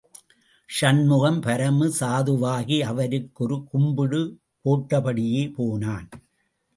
சண்முகம், பரம சாதுவாகி, அவருக்கு ஒரு கும்பிடு போட்டபடியே போனான்.